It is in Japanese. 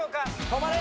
止まれ！